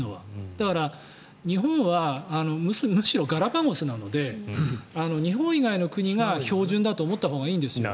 だから、日本はむしろガラパゴスなので日本以外の国が標準だと思ったほうがいいんですよ。